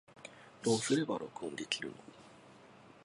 どうすれば録音できるの